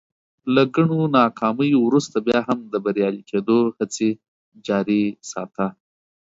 له ګڼو ناکاميو ورورسته بيا هم د بريالي کېدو هڅې جاري ساته.